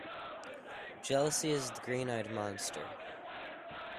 Jealousy is the green-eyed monster